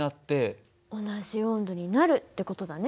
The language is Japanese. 同じ温度になるって事だね。